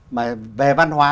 mà về văn hóa